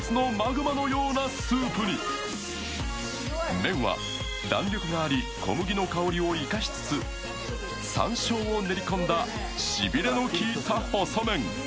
麺は弾力があり、小麦の香りを生かしつつ、さんしょうを練り込んだしびれの効いた細麺。